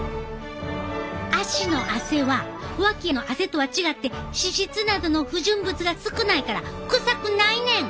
足の汗は脇の汗とは違って脂質などの不純物が少ないからくさくないねん！